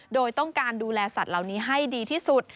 โดยต้องการดูแลสัตว์เหล่านี้ให้ดีที่สุด